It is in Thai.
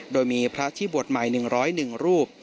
โดยมีพระที่บวชใหม่๑๐๑รูป